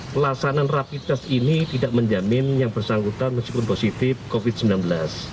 pelaksanaan rapid test ini tidak menjamin yang bersangkutan meskipun positif covid sembilan belas